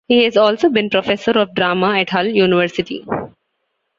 He has also been professor of drama at Hull University.